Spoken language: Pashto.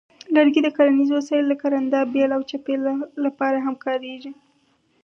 لرګي د کرنیزو وسایلو لکه رنده، بیل، او چپې لپاره هم کارېږي.